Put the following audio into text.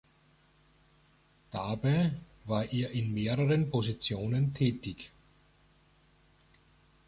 Dabei war er in mehreren Positionen tätig.